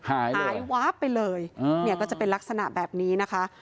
หายวาบไปเลยเนี่ยก็จะเป็นลักษณะแบบนี้นะคะ